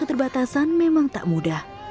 keterbatasan memang tak mudah